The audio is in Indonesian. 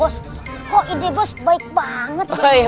bos kok ide bos baik banget sih